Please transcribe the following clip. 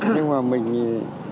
nhưng mà mình thì